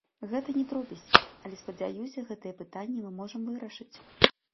Гэта не дробязі, але, спадзяюся, гэтыя пытанні мы можам вырашыць.